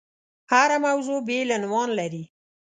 هره موضوع بېل عنوان لري.